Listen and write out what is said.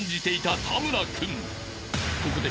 ［ここで］